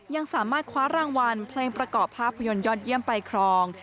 ยังสามารถคว้ารางวัลเพลงประกอบภาพยนตร์ยอดเยี่ยมไปครอง